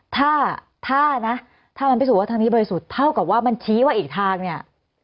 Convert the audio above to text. ถ้าถ้านะถ้ามันพิสูจนว่าทางนี้บริสุทธิ์เท่ากับว่ามันชี้ว่าอีกทางเนี่ย